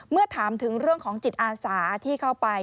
เมื่อถามถึงเรื่องของจิตอาสาที่เข้าไป